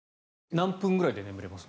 「何分ぐらいで眠れます？」